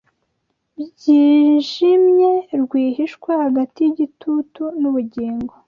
Byinjimye rwihishwa hagati yigitutu nubugingo